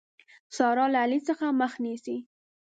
سارا له علي څخه مخ نيسي.